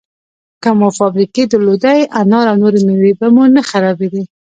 که مو فابریکې درلودی، انار او نورې مېوې به مو نه خرابېدې!